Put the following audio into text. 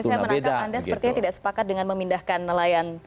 saya menangkap anda sepertinya tidak sepakat dengan memindahkan nelayan